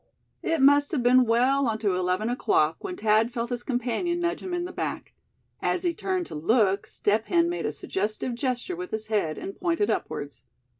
It must have been well on to eleven o'clock when Thad felt his companion nudge him in the back. As he turned to look, Step Hen made a suggestive gesture with his head, and pointed upwards.